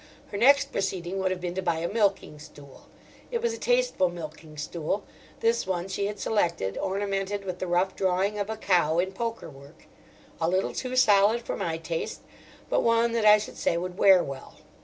Her next proceeding would have been to buy a milking stool. It was a tasteful milking stool, this one she had selected, ornamented with the rough drawing of a cow in poker work: a little too solid for my taste, but one that I should say would wear well.